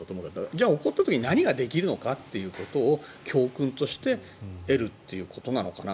じゃあ、起こった時に何ができるのかを教訓として得るということなのかな。